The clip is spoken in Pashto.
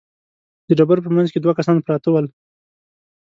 د ډبرو په مينځ کې دوه کسان پراته ول.